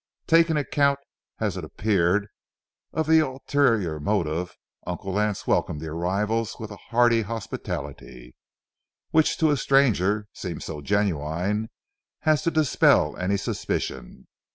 Taking account, as it appeared, of the ulterior motive, Uncle Lance welcomed the arrivals with a hearty hospitality, which to a stranger seemed so genuine as to dispel any suspicion.